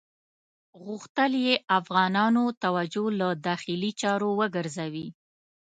غوښتل یې افغانانو توجه له داخلي چارو وګرځوي.